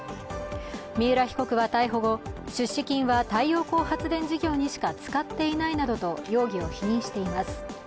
三浦被告は逮捕後、出資金は太陽光発電事業にしか使っていないなどと容疑を否認しています。